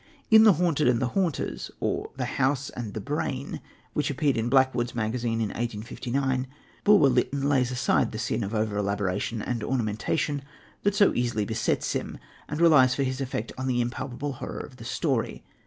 In The Haunted and the Haunters, or The House and the Brain, which appeared in Blackwood's Magazine in 1859, Bulwer Lytton lays aside the sin of over elaboration and ornamentation that so easily besets him, and relies for his effect on the impalpable horror of his story.